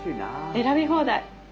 選び放題！